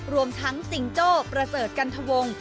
รวมทั้งซิงโจ้ประเสริฐกันทวง